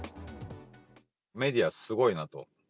メディアすごいなと。